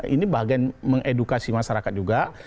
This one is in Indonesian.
ini bagian mengedukasi masyarakat juga